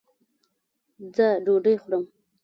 ځه ډوډي خورم